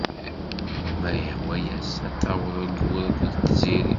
Ma yehwa-as ad taweḍ aggur akked tziri.